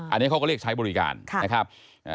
อันนี้เขาก็เรียกใช้บริการนะครับ